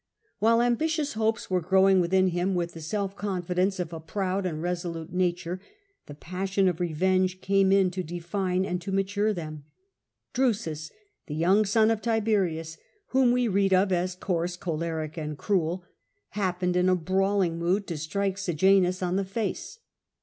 While ambitious hopes were growing within him with the self confidence of a proud and resolute to revenge nature, the passion of revenge came in to de Dmsu for mature cnem. Drusus, the young the insult of son of Tiberius, whom we read of as coarse, ^ choleric, and cruel, happened in a brawling mood to strike Sejanus on the face.